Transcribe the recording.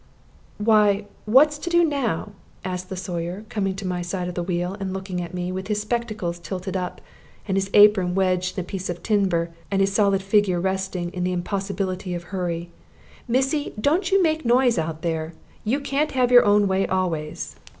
"Why, what's to do now?" asked the Sawyer, coming to my side of the wheel and looking at me, with his spectacles tilted up, and his apron wedged in a piece of timber, and his solid figure resting in the impossibility of hurry. "Missy, don't you make a noise out there. You can't have your own way always."